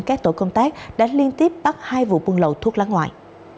các tổ công tác đã liên tiếp bắt hai vụ buôn lậu thuốc lá ngoại